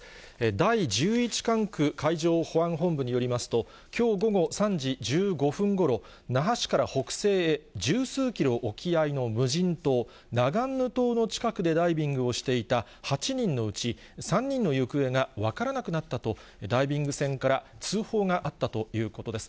第１１管区海上保安本部によりますと、きょう午後３時１５分ごろ、那覇市から北西へ十数キロ沖合の無人島、ナガンヌ島の近くでダイビングをしていた８人のうち、３人の行方が分からなくなったと、ダイビング船から通報があったということです。